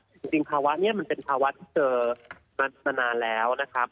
จริงภาวะนี้มันเป็นภาวะที่เจอมานานแล้วนะครับ